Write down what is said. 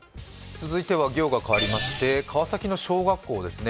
続いては行が変わりまして、川崎の小学校ですね。